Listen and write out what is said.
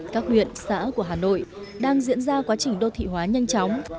các huyện xã của hà nội đang diễn ra quá trình đô thị hóa nhanh chóng